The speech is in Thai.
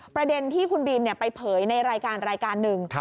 ประเด็นที่คุณบีมไปเผยในรายการรายการหนึ่ง